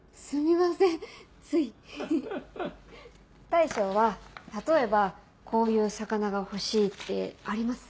大将は例えばこういう魚が欲しいってあります？